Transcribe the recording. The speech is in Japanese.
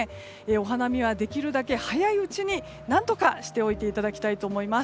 お花見はできるだけ早いうちに何とかしておいていただきたいと思います。